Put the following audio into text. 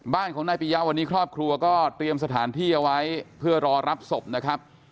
บ้านของนายปียะวันนี้ครอบครัวก็เตรียมสถานที่เอาไว้เพื่อรอรับศพนะครับ